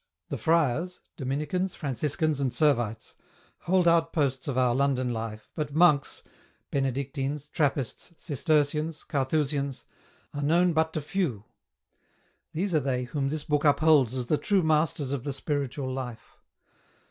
The Friars — Dominicans, Franciscans and Servites — hold outposts of our London life, but Monks — Benedictines, Trappists, Cistercians, Carthusians — are known but to few. These are they whom this book upholds as the true masters of the spiritual life.